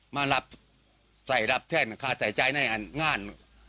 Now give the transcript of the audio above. มารับใส่รับแทนค่าใส่ใจในงาน